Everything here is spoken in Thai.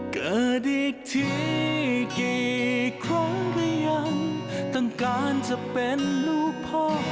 เกิดอีกทีกี่ครั้งหรือยังต้องการจะเป็นลูกพ่อ